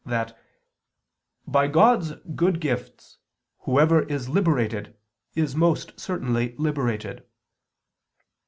xiv) that "by God's good gifts whoever is liberated, is most certainly liberated."